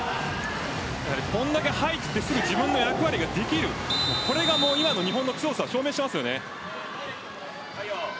これだけ入ってすぐ自分の役割ができるこれが今の日本の強さを証明していますよね。